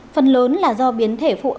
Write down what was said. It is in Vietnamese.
phần lớn là do biến thể phụ